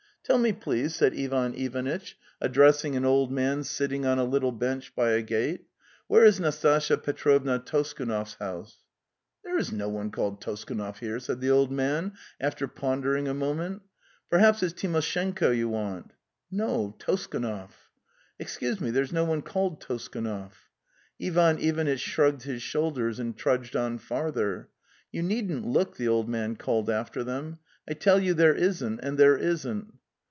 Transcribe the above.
'Tell me, please," said Ivan Ivanitch, addressing an old man sitting on a little bench by a gate, '' where is Nastasya Petrovna Toskunov's house? "''"' There is no one called Toskunov here," said the old man, after pondering a moment. '' Perhaps it's Timoshenko you want." "No. Poskunove.) 2027 '""Excuse me, there's no one called Tosku MOV. euie Ivan Ivanitch shrugged his shoulders and trudged on farther. "You needn't look,' the old man called after them. 'I tell you there isn't, and there isn't."